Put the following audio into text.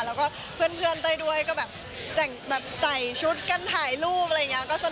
แล้วก็เพื่อนเต้อยด้วยก็แบบใส่ชุดกันถ่ายรูปอะไรอย่างเงี้ย